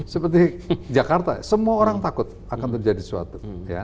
seperti jakarta semua orang takut akan terjadi sesuatu